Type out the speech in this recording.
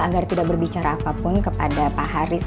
agar tidak berbicara apapun kepada pak haris